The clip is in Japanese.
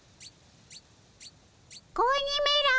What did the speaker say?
子鬼めら。